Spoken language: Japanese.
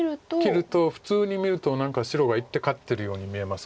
切ると普通に見ると何か白が１手勝ってるように見えますけど。